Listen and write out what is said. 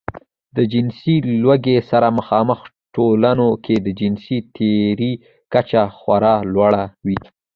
د جنسي لوږې سره مخامخ ټولنو کې د جنسي تېري کچه خورا لوړه وي.